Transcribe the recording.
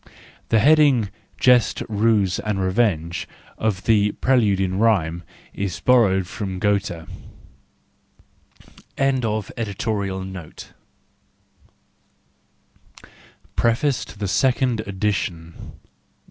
The heading, "Jest, Ruse and Revenge," of the " Prelude in Rhyme " is borrowed from Goethe. PREFACE TO THE SECOND EDITION.